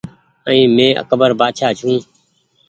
ائين مينٚ اڪبر بآڇآ ڇوٚنٚ